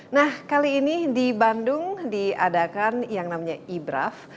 nah kali ini di bandung diadakan yang namanya ibraf